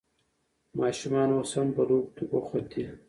ماشومان اوس هم په لوبو کې بوخت دي.